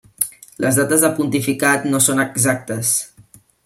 Les dates de pontificat no són exactes.